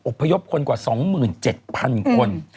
พยพคนกว่า๒๗๐๐คน